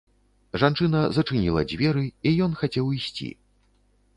Жанчына зачыніла дзверы, і ён хацеў ісці.